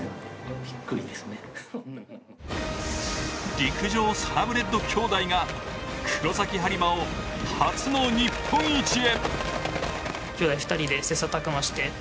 陸上サラブレッド兄弟が黒崎播磨を初の日本一へ。